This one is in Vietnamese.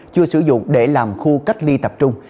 chưa sử dụng để làm khu cách ly tập trung